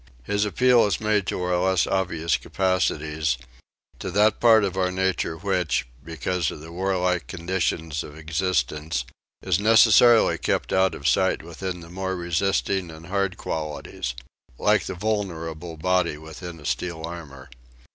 His appeal is made to our less obvious capacities: to that part of our nature which, because of the warlike conditions of existence, is necessarily kept out of sight within the more resisting and hard qualities like the vulnerable body within a steel armour.